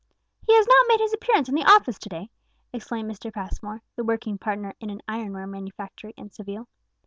"He has not made his appearance in the office to day!" exclaimed Mr. Passmore, the working partner in an ironware manufactory in Seville.